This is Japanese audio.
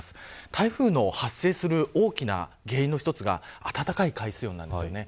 台風の発生する大きな原因の一つが暖かい海水温なんです。